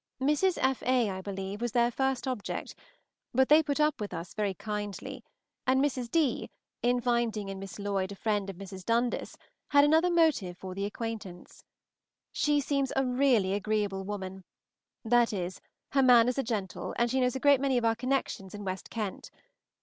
Mrs. F. A., I believe, was their first object, but they put up with us very kindly, and Mrs. D., finding in Miss Lloyd a friend of Mrs. Dundas, had another motive for the acquaintance. She seems a really agreeable woman, that is, her manners are gentle, and she knows a great many of our connections in West Kent.